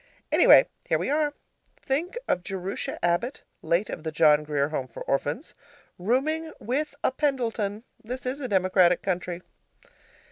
Anyway, here we are. Think of Jerusha Abbott, late of the John Grier Home for Orphans, rooming with a Pendleton. This is a democratic country.